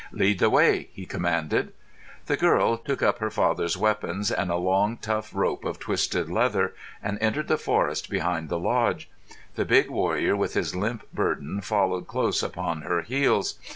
"Lead the way!" he commanded. The girl took up her father's weapons and a long, tough rope of twisted leather, and entered the forest behind the lodge. The big warrior, with his limp burden, followed close upon her heels.